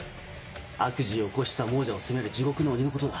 悪事を起こした亡者を責める地獄の鬼のことだ。